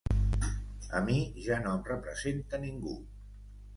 A mi ja no em representa ningú.